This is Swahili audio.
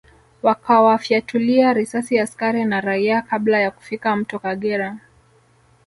Wakawafyatulia risasi askari na raia kabla ya kufika Mto Kagera